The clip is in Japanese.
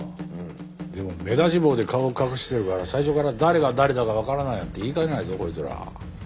でも目出し帽で顔を隠してるから最初から誰が誰だかわからないって言いかねないぞこいつら。